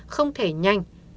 không thể nhanh